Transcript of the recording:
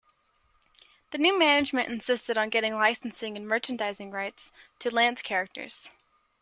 The new management insisted on getting licensing and merchandising rights to Lantz's characters.